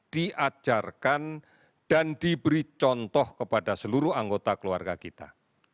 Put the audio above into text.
diajarkan dan diberi contoh kepada seluruh anggota keluarga kita